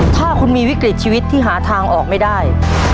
ถ้าคุณมีวิกฤตชีวิตที่หาทางออกไม่ได้